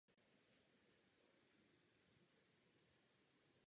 Tomuto jevu se říká fluorescence.